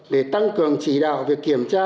để tăng cường chỉ đạo về kiểm tra